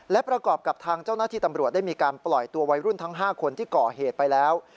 และประกอบกับทางเจ้าหน้าที่ตำรวจได้มีการปล่อยตัววัยรุ่นทั้ง๕คนที่ก่อเหตุไปแล้ว